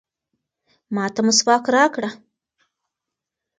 ما ته مسواک راکړه.